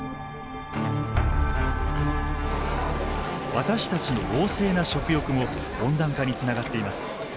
私たちの旺盛な食欲も温暖化につながっています。